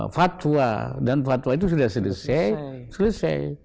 fatwa dan fatwa itu sudah selesai